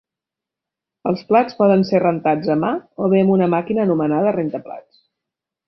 Els plats poden ser rentats a mà o bé amb una màquina anomenada rentaplats.